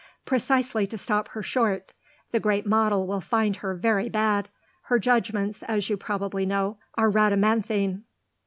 "Precisely to stop her short. The great model will find her very bad. Her judgements, as you probably know, are Rhadamanthine."